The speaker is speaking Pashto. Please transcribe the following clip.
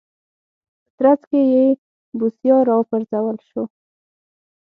په ترڅ کې یې بوسیا راوپرځول شو.